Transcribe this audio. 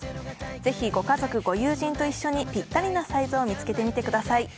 ぜひご家族・ご友人と一緒にぴったりなサイズを見つけてみてください。